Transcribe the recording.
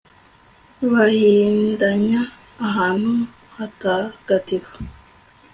bahindanya ahantu hatagatifu